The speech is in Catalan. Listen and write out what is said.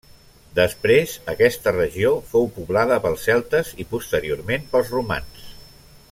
Després aquesta regió fou poblada pels celtes i posteriorment pels romans.